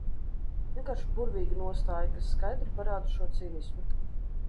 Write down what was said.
Vienkārši burvīga nostāja, kas skaidri parāda šo cinismu.